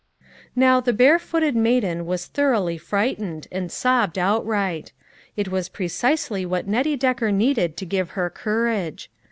Now the barefooted maiden was thoroughly frightened, and sobbed outright. It was pre cisely what Nettie Decker needed to give her courage.